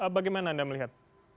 bagaimana anda melihat